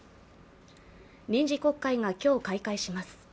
臨時国会が今日開会します。